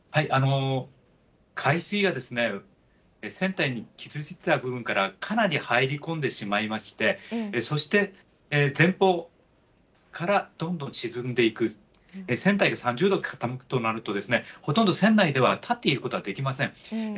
海水が、船体に傷ついた部分からかなり入り込んでしまいまして、そして、前方からどんどん沈んでいく、船体が３０度傾くとなると、ほとんど船内では立っていることはできません。